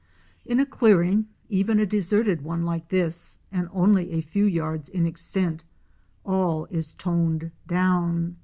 In a clearing — even a deserted one like this and only a few yards in extent —all is toned down.